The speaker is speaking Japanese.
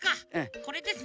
これですね。